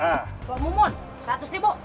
pak mumun seratus ribu